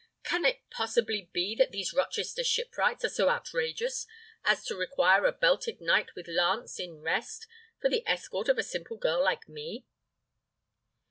Can it possibly be that these Rochester shipwrights are so outrageous as to require a belted knight with lance in rest for the escort of a simple girl like me?"